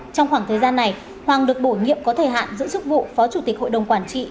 trong khoảng thời gian này hoàng được bổ nhiệm có thời hạn giữ chức vụ phó chủ tịch hội đồng quản trị